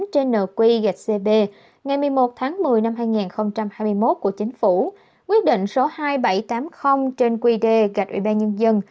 trên nq gạch cb ngày một mươi một tháng một mươi năm hai nghìn hai mươi một của chính phủ quyết định số hai nghìn bảy trăm tám mươi trên qd gạch ủy ban nhân dân